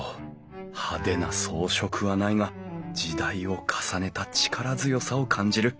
派手な装飾はないが時代を重ねた力強さを感じる。